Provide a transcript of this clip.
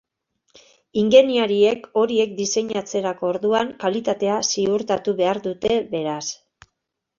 Ingeniariek horiek diseinatzerako orduan kalitatea ziurtatu behar dute, beraz.